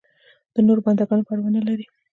د نورو بنده ګانو پروا نه لري.